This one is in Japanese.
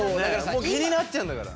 もう気になっちゃうんだから。